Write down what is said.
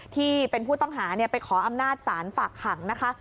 ที่เป็นผู้ต้องหาไปขออำนาจศาลฝากขังนะคะ